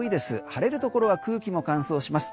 晴れるところは空気も乾燥します。